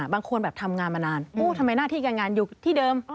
บางคนแบบทำงานมานานทำไมหน้าที่การงานอยู่ที่เดิม